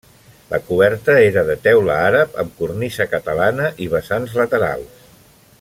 La coberta era de teula àrab amb cornisa catalana i vessants laterals.